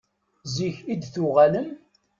Zik i d-tuɣalem.